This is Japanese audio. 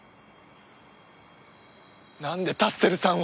なんでタッセルさんを。